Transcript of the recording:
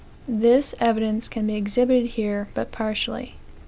This evidence can be exhibited here but partially.